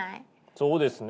そうですね。